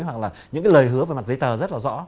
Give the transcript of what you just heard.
hoặc là những cái lời hứa về mặt giấy tờ rất là rõ